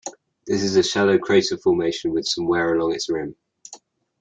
This is a shallow crater formation with some wear along its rim.